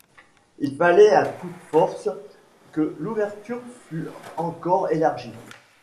Il fallait à toute force que l’ouverture fût encore élargie.